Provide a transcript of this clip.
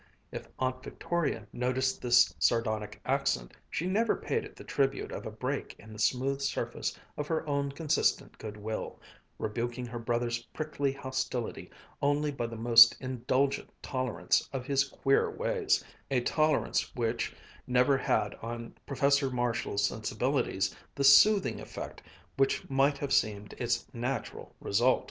If Aunt Victoria noticed this sardonic accent, she never paid it the tribute of a break in the smooth surface of her own consistent good will, rebuking her brother's prickly hostility only by the most indulgent tolerance of his queer ways, a tolerance which never had on Professor Marshall's sensibilities the soothing effect which might have seemed its natural result.